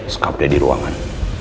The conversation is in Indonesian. skaf deh di ruangan